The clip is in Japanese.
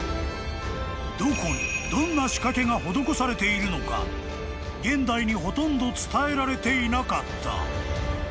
［どこにどんな仕掛けが施されているのか現代にほとんど伝えられていなかった］